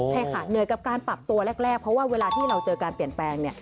ใช่ค่ะเหนื่อยกับการปรับตัวแรกเพราะว่าเวลาที่เราเจอการเปลี่ยนแปลงเนี่ย